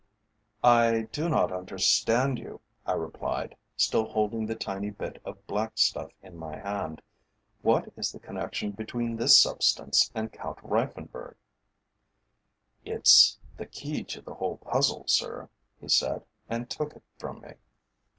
"I do not understand you," I replied, still holding the tiny bit of black stuff in my hand. "What is the connection between this substance and Count Reiffenburg?" "It's the key to the whole puzzle, sir," he said, and took it from me.